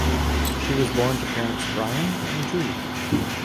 She was born to parents Brian and Julie.